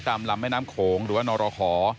ลำแม่น้ำโขงหรือว่านรหอ